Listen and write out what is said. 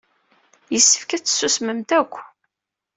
Yessefk ad tsusmemt akk.